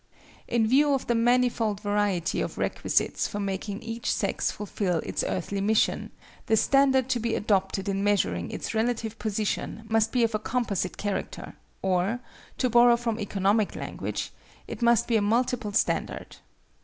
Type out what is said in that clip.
In view of the manifold variety of requisites for making each sex fulfil its earthly mission, the standard to be adopted in measuring its relative position must be of a composite character; or, to borrow from economic language, it must be a multiple standard.